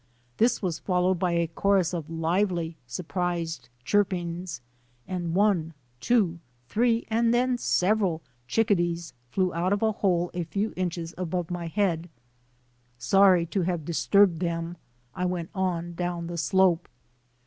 This was followed by a chorus of lively, surprised chirpings, and one, two, three! — then several — chickadees Hew out of a hole a lew SNOW BLINDED ON THE SI MMIT 15 inches above my head. Sorry to have disturbed them I went on down the slope.